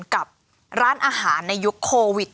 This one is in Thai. กับร้านอาหารในยุคโควิด